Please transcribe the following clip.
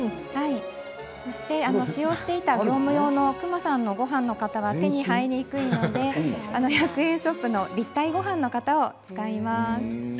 そして使用していた業務用のくまさんのごはんの型は手に入りにくいので１００円ショップの立体ごはんの型を使います。